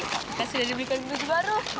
makasih sudah dibelikan baju baru